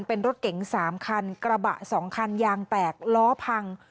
เป็นรถเก๋ง๓คันกระบะ๒คันยางแตกล้อพัง